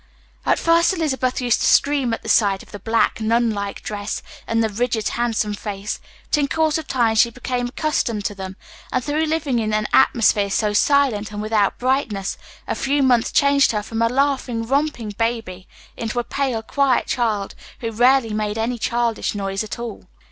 At first Elizabeth used to scream at the sight of the black, nun like dress and the rigid, handsome face, but in course of time she became accustomed to them, and, through living in an atmosphere so silent and without brightness, a few months changed her from a laughing, romping baby into a pale, quiet child, who rarely made any childish noise at all.